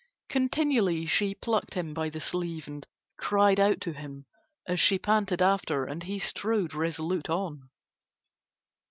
Continually she plucked him by the sleeve and cried out to him as she panted after and he strode resolute on.